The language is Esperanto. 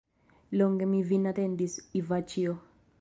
Longe mi vin atendis, Ivaĉjo!